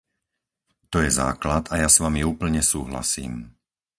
To je základ a ja s vami úplne súhlasím.